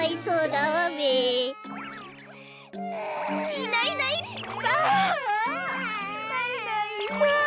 いないいないばあ！